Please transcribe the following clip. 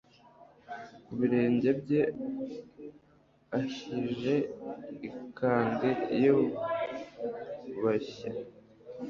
ku birenge bye, ahije Icandi yubashye.